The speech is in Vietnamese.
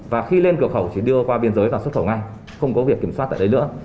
và khi lên cửa khẩu chỉ đưa qua biên giới và xuất khẩu ngay không có việc kiểm soát tại đấy nữa